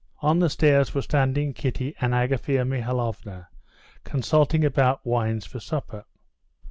On the stairs were standing Kitty and Agafea Mihalovna, consulting about wines for supper.